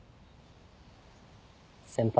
先輩。